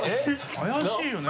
怪しいよね。